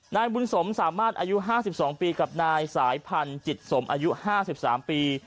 นายบุญสมสามารถอายุ๕๒ปีกับนายสายพันธุ์จิตสมอายุ๕๓ปี